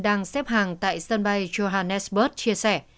đang xếp hàng tại sân bay john hannesburg chia sẻ